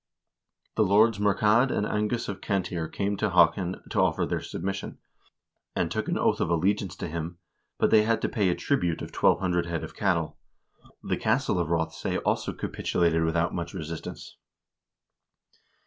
The lords Murchaed and Angus of Cantire came to Haakon to offer their submission, and took an oath of allegiance to him, but they had to pay a tribute of 1200 head of cattle. The castle of Rothesay also capitulated without much resistance.